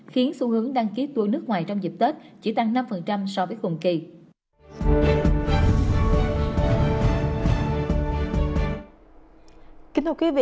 khiến xu hướng đăng ký tour nước ngoài trong dịp tết chỉ tăng năm so với cùng kỳ